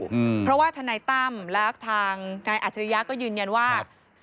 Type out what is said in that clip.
เพราะว่าทนายตั้มและทางนายอัจฉริยะก็ยืนยันว่า